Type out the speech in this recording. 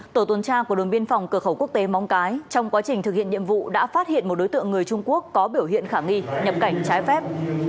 tổ tuần tra của đồn biên phòng cửa khẩu quốc tế móng cái trong quá trình thực hiện nhiệm vụ đã phát hiện một đối tượng người trung quốc có biểu hiện khả nghi nhập cảnh trái phép